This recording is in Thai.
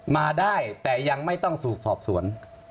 มาได้แต่ยังไม่ต้องถูกสอบสวน